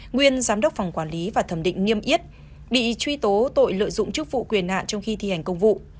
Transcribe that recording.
nguyên giám đốc phòng quản lý và thẩm định nghiêm yết bị truy tố tội lợi dụng chức vụ quyền hạn trong khi thi hành công vụ